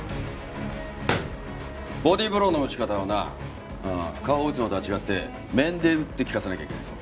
ボディーブローの打ち方はな顔を打つのとは違って面で打って効かせなきゃいけないぞ。